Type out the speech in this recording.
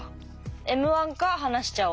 「Ｍ−１」か「はなしちゃお！」か。